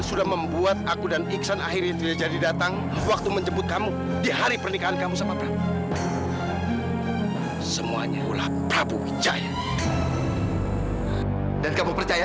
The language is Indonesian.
sampai jumpa di video selanjutnya